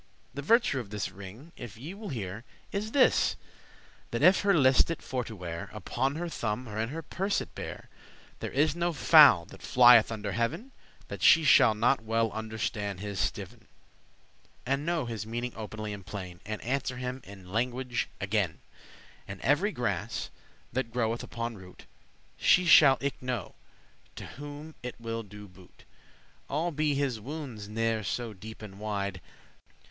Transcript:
The virtue of this ring, if ye will hear, Is this, that if her list it for to wear Upon her thumb, or in her purse it bear, There is no fowl that flyeth under heaven, That she shall not well understand his steven,* *speech, sound And know his meaning openly and plain, And answer him in his language again: And every grass that groweth upon root She shall eke know, to whom it will do boot,* *remedy All be his woundes ne'er so deep and wide.